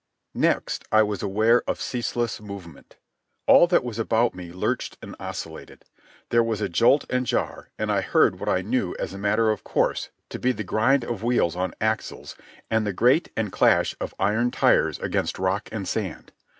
Next I was aware of ceaseless movement. All that was about me lurched and oscillated. There was jolt and jar, and I heard what I knew as a matter of course to be the grind of wheels on axles and the grate and clash of iron tyres against rock and sand.